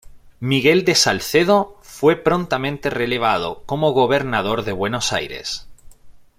Miguel de Salcedo fue prontamente relevado como gobernador de Buenos Aires.